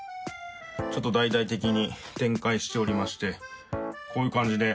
ちょっと大々的に展開しておりましてこういう感じで。